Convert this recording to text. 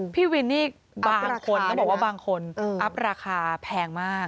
พี่วินนี่บางคนบางคนอัพราคาแพงมาก